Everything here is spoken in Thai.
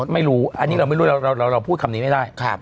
ไม่รู้อันนี้เราไม่รู้เราเราเราพูดคำนี้ไม่ได้ครับ